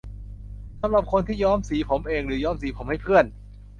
สำหรับคนที่ย้อมสีผมเอง หรือย้อมสีผมให้เพื่อน